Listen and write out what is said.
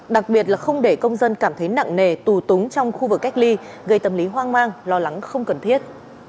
đặc biệt là không để công dân cảm thấy nặng nề tù túng trong khu vực cách ly gây tâm lý hoang mang lo lắng không cần thiết